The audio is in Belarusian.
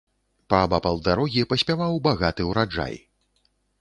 Паабапал дарогі паспяваў багаты ўраджай.